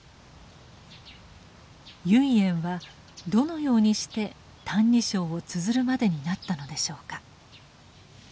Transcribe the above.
唯円はどのようにして「歎異抄」をつづるまでになったのでしょうか。